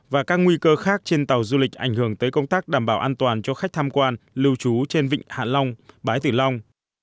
và các nguy cơ khác trên tàu du lịch ảnh hưởng tới công tác đảm bảo an toàn cho khách tham quan lưu trú trên vịnh hạ long bái tử long